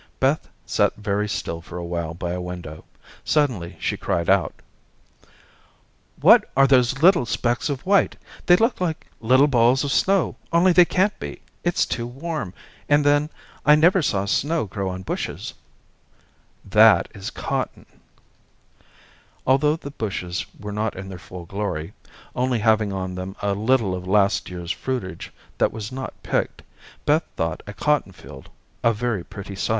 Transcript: Beth sat very still for a while by a window. Suddenly, she cried out: "What are those little specks of white? They look like little balls of snow, only they can't be. It's too warm, and then I never saw snow grow on bushes." "That is cotton." Although the bushes were not in their full glory only having on them a little of last year's fruitage that was not picked Beth thought a cotton field a very pretty sight. [Illustration: Beth thought a cotton field a very pretty sight.